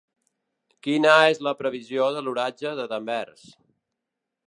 Quina és la previsió de l'oratge de Danvers